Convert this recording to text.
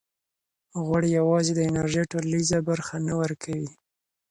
غوړ یوازې د انرژۍ ټولیزه برخه نه ورکوي.